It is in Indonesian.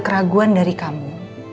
keraguan dari kamu